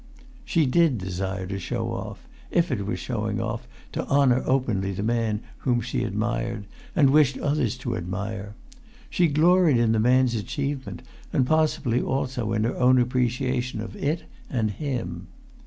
She did desire to show off, if it was showing off to honour openly the man whom she admired and wished others to admire. She gloried in the man's achievement, and possibly also in her own appreciation of it and him.